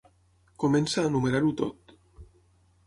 Comença a numerar-ho tot.